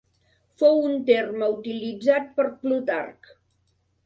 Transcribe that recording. Fou un terme utilitzat per Plutarc.